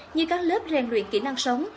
như các lớp rèn luyện kỹ năng sống